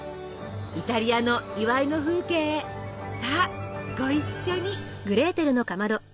イタリアの祝いの風景へさあご一緒に！